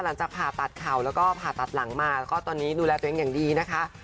หลังจากผ่าตัดเข่าแล้วก็ผ่าตัดหลังมาแล้วก็ตอนนี้ดูแลตัวเองอย่างดีนะคะ